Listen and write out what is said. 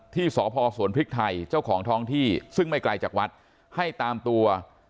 ที่สพสวนพริกไทยเจ้าของท้องที่ซึ่งไม่ไกลจากวัดให้ตามตัว